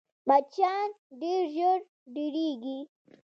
مچان ډېر ژر ډېرېږي